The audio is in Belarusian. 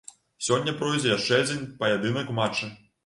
Сёння пройдзе яшчэ адзін паядынак у матчы.